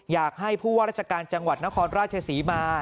อยากให้ผู้ว่าราชการจังหวัดนครราชศรีมา